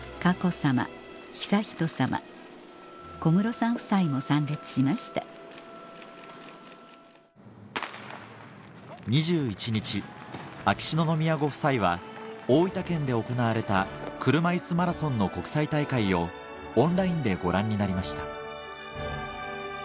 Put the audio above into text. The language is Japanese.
さま小室さん夫妻も参列しました２１日秋篠宮ご夫妻は大分県で行われた車いすマラソンの国際大会をオンラインでご覧になりました